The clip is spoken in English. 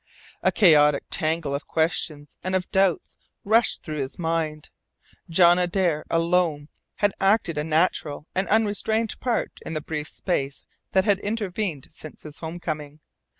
A chaotic tangle of questions and of doubts rushed through his mind. John Adare alone had acted a natural and unrestrained part in the brief space that had intervened since his home coming.